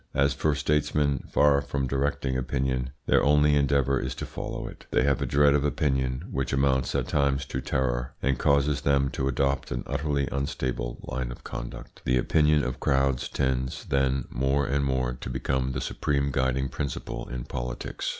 As for statesmen, far from directing opinion, their only endeavour is to follow it. They have a dread of opinion, which amounts at times to terror, and causes them to adopt an utterly unstable line of conduct. The opinion of crowds tends, then, more and more to become the supreme guiding principle in politics.